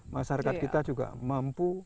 masyarakat kita juga mampu